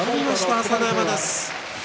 朝乃山です。